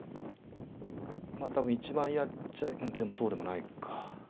まあ多分一番やっちゃうんでもそうでもないか。